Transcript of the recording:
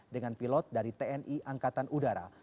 dengan pilot dari tni angkatan udara